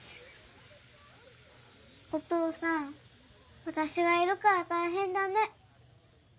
お父さん私がいるから大変だね。